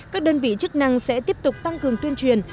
các đơn vị chức năng sẽ tiếp tục tăng cường tuyên truyền